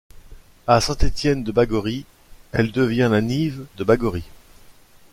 À Saint-Étienne-de-Baïgorry elle devient la Nive de Baïgorry.